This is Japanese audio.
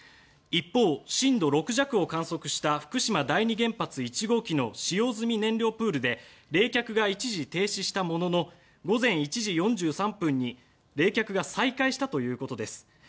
一方、震度６弱を観測した福島第二原発、１号機の使用済み燃料プールで冷却が一時停止したものの午前１時４３分に冷却が再開したということです。